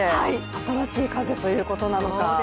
新しい風ということなのか。